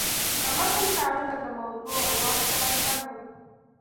د متل کارونه د موضوع او وخت سره سمه وي